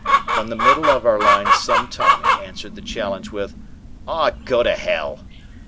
From the middle of our line some Tommy answered the challenge with, "Aw, go to hell."